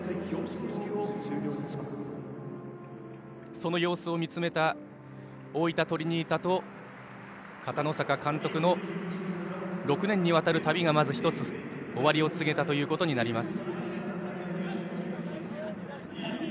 その様子を見つめた大分トリニータと片野坂監督の６年にわたる旅がまた終わりを告げたことになります。